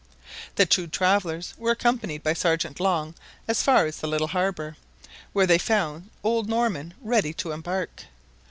The two travellers were accompanied by Sergeant Long as far as the little harbour, where they found old Norman ready to embark.